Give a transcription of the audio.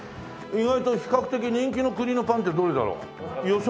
意外と比較的人気の国のパンってどれだろう？予想。